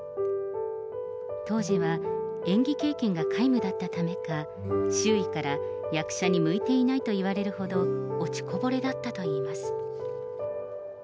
当時は、演技経験が皆無だったためか、周囲から役者に向いていないと言われるほど、落ちこぼれだったといいます。